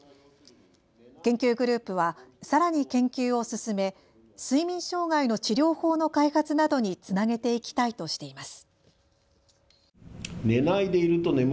研究グループはさらに研究を進め睡眠障害の治療法の開発などにつなげていきたいとしています。